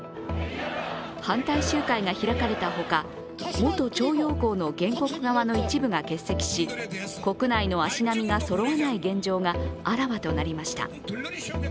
反対集会が開かれたほか、元徴用工の原告側の一部が欠席し国内の足並みがそろわない現状があらわとなりました。